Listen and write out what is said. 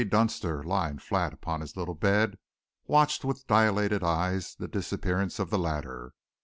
Dunster, lying flat upon his little bed, watched with dilated eyes the disappearance of the ladder.